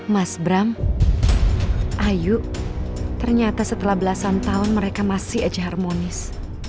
mas bram ayu ternyata setelah belasan tahun mereka masih aja harmonis